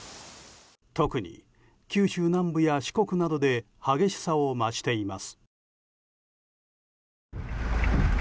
特に、九州南部や四国などで激しさを増しています。